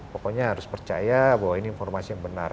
pokoknya harus percaya bahwa ini informasi yang benar